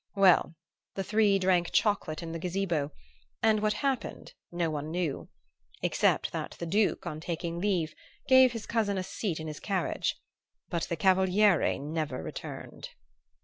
Well, the three drank chocolate in the gazebo, and what happened no one knew, except that the Duke, on taking leave, gave his cousin a seat in his carriage; but the Cavaliere never returned.